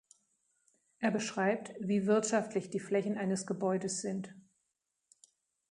Er beschreibt, wie wirtschaftlich die Flächen eines Gebäudes sind.